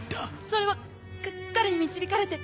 それはか彼に導かれて。